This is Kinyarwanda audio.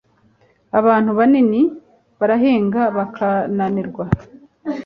abantu banini barahinga bakananirwa